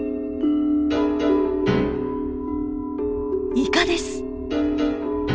イカです！